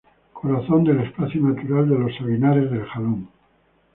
Corazón del espacio natural de Los Sabinares del Jalón.